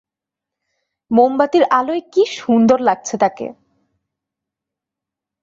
মোমবাতির আলোয় কী সুন্দর লাগছে তাকে!